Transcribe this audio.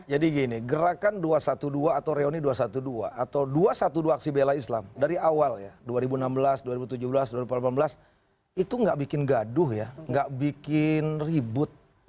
jadi gini gerakan dua ratus dua belas atau reuni dua ratus dua belas atau dua ratus dua belas aksi bela islam dari awal ya dua ribu enam belas dua ribu tujuh belas dua ribu delapan belas itu gak bikin gaduh ya gak bikin ribut